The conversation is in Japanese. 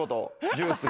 ジュースが。